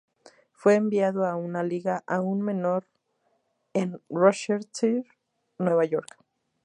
Fue enviado a una liga aun menor en Rochester, Nueva York.